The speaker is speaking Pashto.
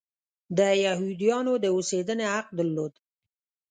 د یهودیانو د اوسېدنې حق درلود.